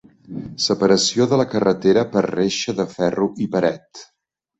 Separació de la carretera per reixa de ferro i paret.